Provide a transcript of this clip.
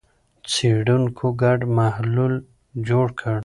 څېړونکو ګډ محلول جوړ کړ.